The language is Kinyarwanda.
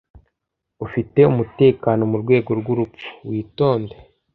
Ufite umutekano mu rwego rw'urupfu? - witonde